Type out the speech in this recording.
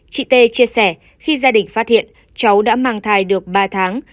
chị tê chia sẻ khi gia đình phát hiện cháu đã mang thai được ba tháng